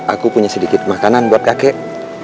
aku punya sedikit makanan buat kakek